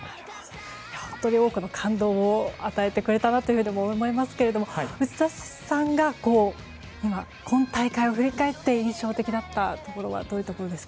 本当に多くの感動を与えてくれたなと思いますけど内田さんが今大会を振り返って印象的だったところはどういうところですか？